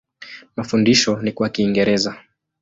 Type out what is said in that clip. Mafundisho ni kwa Kiingereza.